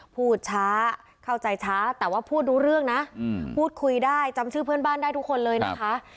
พูดช้าเข้าใจช้าแต่ว่าพูดรู้เรื่องนะพูดคุยได้จำชื่อเพื่อนบ้านได้ทุกคนเลยนะคะ